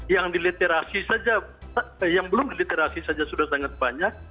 yang diliterasi saja yang belum diliterasi saja sudah sangat banyak